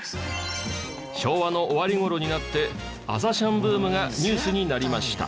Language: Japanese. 昭和の終わり頃になって朝シャンブームがニュースになりました。